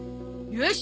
よし！